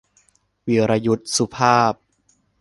วีรยุทธ สุภาพ